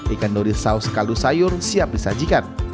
ikan dorit saus kaldu sayur siap disajikan